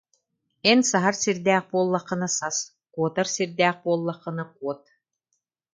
«Эн саһар сирдээх буоллаххына сас, куотар сирдээх буоллаххына куот»